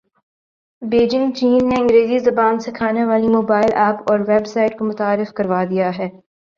Beijing چین نے انگریزی زبان سکھانے والی موبائل ایپ اور ویب سایٹ کو متعارف کروا دیا ہے